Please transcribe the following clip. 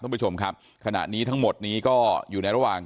ท่านผู้ชมครับขณะนี้ทั้งหมดนี้ก็อยู่ในระหว่าง